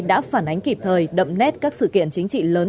đã phản ánh kịp thời đậm nét các sự kiện chính trị lớn